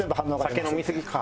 酒飲みすぎか。